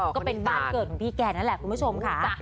ก็เป็นบ้านเกิดของพี่แกนั่นแหละคุณผู้ชมค่ะ